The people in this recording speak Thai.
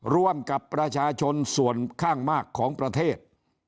ร่วมกับประชาชนส่วนข้างมากของประเทศ